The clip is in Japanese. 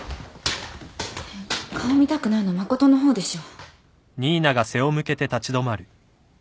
顔見たくないの誠の方でしょ？